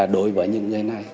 đối với những người này